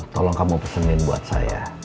tolong kamu pesenin buat saya